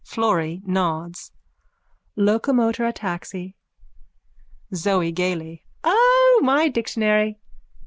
FLORRY: (Nods.) Locomotor ataxy. ZOE: (Gaily.) O, my dictionary.